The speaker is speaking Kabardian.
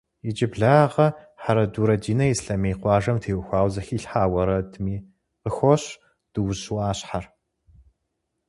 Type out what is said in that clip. Иджыблагъэ Хьэрэдурэ Динэ Ислъэмей къуажэм теухуауэ зэхилъхьа уэрэдми къыхощ Дуужь ӏуащхьэр.